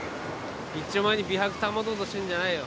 一丁前に美白保とうとしてんじゃないよ